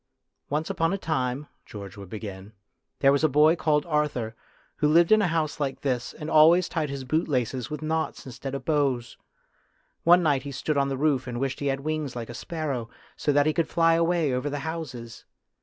"Once upon a time," George would begin, " there was a boy called Arthur, who lived in a house like this, and always tied his bootlaces with knots instead of bows. One night he stood on the roof and wished he had wings like a sparrow, so that he could fly away over the houses.